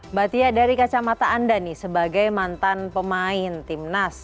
mbak tia dari kacamata anda nih sebagai mantan pemain timnas